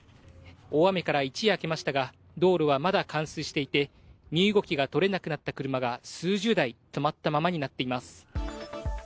大雨から一夜明けましたが、道路はまだ冠水していて、身動きが取れなくなった車が数十台止まったままになっています。